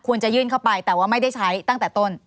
จะยื่นเข้าไปแต่ว่าไม่ได้ใช้ตั้งแต่ต้น